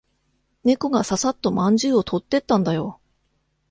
猫がささっとまんじゅうを取ってったんだよ。